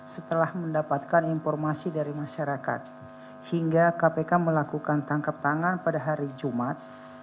setelah mendapatkan informasi dari masyarakat hingga kpk melakukan tangkap tangan pada hari jumat